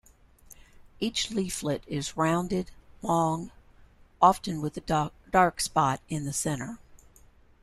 Each leaflet is rounded, long, often with a dark spot in the center.